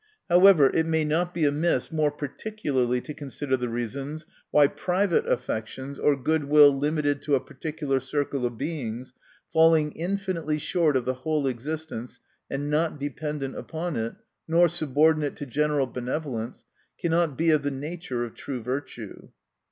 , However, it may not be amiss more particularly to consider the reasons why private affections, or good will limited to a particular circle of Beings, falling infinitely short of the whole existence, and not dependent upon it, nor subordi nate to general benevolence, cannot be of the nature of true virtue.